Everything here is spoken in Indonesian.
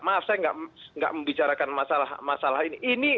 maaf saya tidak membicarakan masalah ini